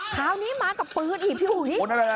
ชาวนี้มากระปื้นอีบอยู่อุ้ย